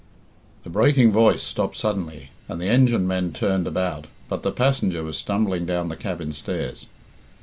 The breaking voice stopped suddenly, and the engine men turned about, but the passenger was stumbling down the cabin stairs.